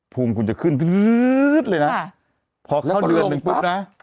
ภูมิคุณจะขึ้นเลยนะพอเข้าเดือนหนึ่งปุ๊บนะ